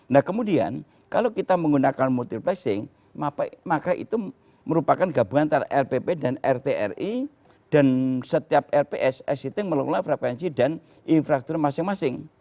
nah kemudian kalau kita menggunakan multiplessing maka itu merupakan gabungan antara lpp dan rtri dan setiap lpss itu mengelola frekuensi dan infrastruktur masing masing